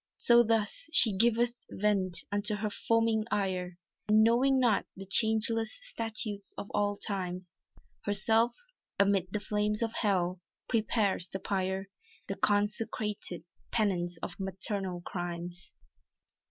So thus, she giveth vent unto her foaming ire, And knowing not the changeless statutes of all times, Herself, amid the flames of hell, prepares the pyre; The consecrated penance of maternal crimes.